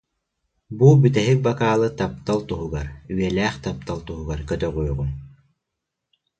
Бу бүтэһик бакаалы таптал туһугар, үйэлээх таптал туһугар көтөҕүөҕүҥ